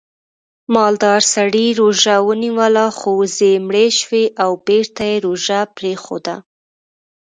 مالدار سړي روژه ونیوله خو وزې یې مړې شوې او بېرته یې روژه پرېښوده